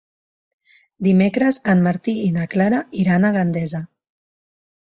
Dimecres en Martí i na Clara iran a Gandesa.